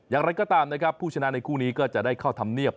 อย่างไรก็ตามนะครับผู้ชนะในคู่นี้ก็จะได้เข้าธรรมเนียบ